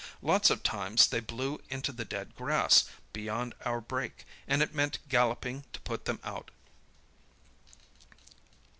Lots of times they blew into the dead grass beyond our break, and it meant galloping to put them out.